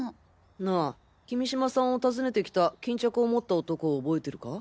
なあ君島さんを訪ねてきた巾着を持った男を覚えてるか？